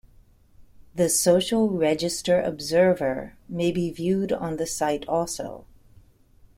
The "Social Register Observer" may be viewed on the site also.